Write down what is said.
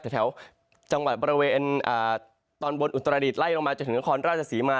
แถวจังหวัดบริเวณตอนบนอุตรดิษฐไล่ลงมาจนถึงนครราชศรีมา